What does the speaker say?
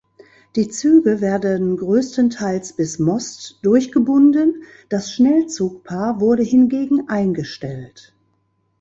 Die Züge werden größtenteils bis Most durchgebunden, das Schnellzugpaar wurde hingegen eingestellt.